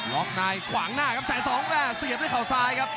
ล็อกในขวางหน้าครับแสนสองเสียบด้วยเขาซ้ายครับ